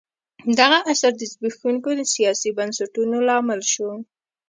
دغه عصر د زبېښونکو سیاسي بنسټونو لامل شو.